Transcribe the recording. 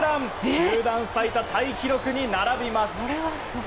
球団最多タイ記録に並びます。